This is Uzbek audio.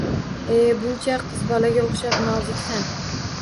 E-e, buncha qizbolaga oʻxshab noziksan.